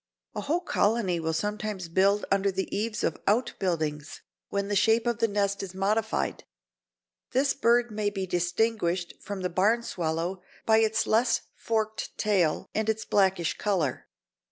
A whole colony will sometimes build under the eaves of out buildings, when the shape of the nest is modified. This bird may be distinguished from the barn swallow by its less forked tail and its blackish color.